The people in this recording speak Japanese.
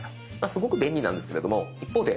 すごく便利なんですけれども一方であれ？